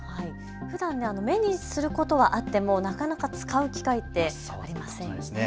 ふだん目にすることはあってもなかなか使う機会ってありませんよね。